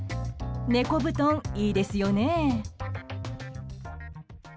猫布団、いいですよね。